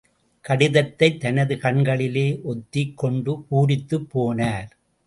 கடிதத்தைத் தனது கண்களிலே ஒத்திக் கொண்டு பூரித்துப் போனார்.